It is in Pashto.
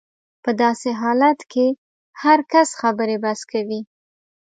په داسې حالت کې هر کس خبرې بس کوي.